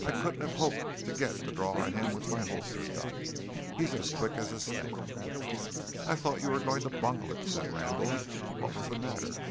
I couldn't have hoped to get the draw on him with my holster gun. He is as quick as a snake." "I thought you were going to bungle it," said Randall. "What was the matter?"